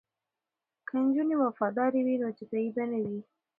که نجونې وفادارې وي نو جدایی به نه وي.